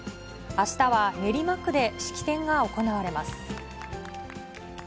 あしたは練馬区で式典が行われます。